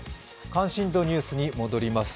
関心度ニュースに戻ります。